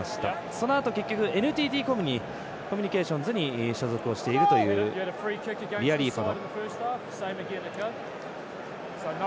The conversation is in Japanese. そのあと結局ＮＴＴコミュニケーションズに所属をしているというリアリーファノ。